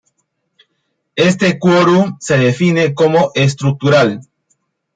Este quórum se define como "estructural".